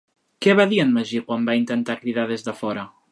Què va dir en Magí quan va intentar cridar des de fora?